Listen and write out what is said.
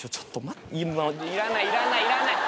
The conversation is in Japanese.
いらないいらないいらない。